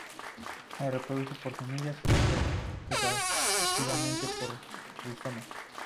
Se reproduce por semillas y vegetativamente por rizomas.